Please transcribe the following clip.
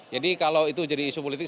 jadi kalau itu jadi isu politik